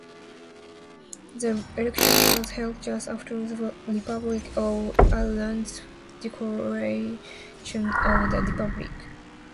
The election was held just after the Republic of Ireland's declaration of a republic.